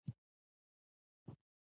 څنګه کولی شم د وخت مدیریت وکړم